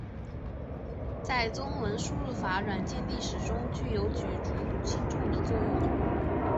在中文输入法软件历史中具有举足轻重的作用。